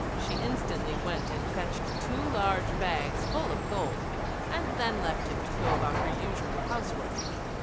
She instantly went and fetched two large bags full of gold; and then left him to go about her usual house work.